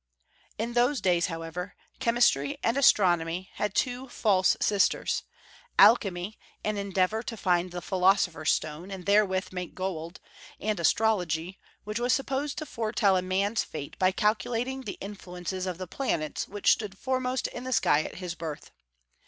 In those days, however, chemistry and astron omy had two false sisters — alchemy, an endeavor to find the philosopher's stone, and therewith make gold ; and astrology, Avliich was supposed to fore tell a man's fate by calculating the influences of the planets which stood foremost in the sky at his birth.